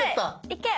いけ！